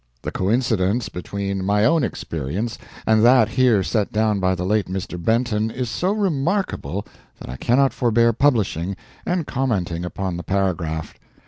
The coincidence between my own experience and that here set down by the late Mr. Benton is so remarkable that I cannot forbear publishing and commenting upon the paragraph.